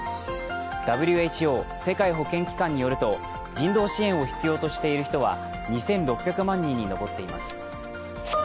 ＷＨＯ＝世界保健機関によると人道支援を必要としている人は２６００万人に上っています。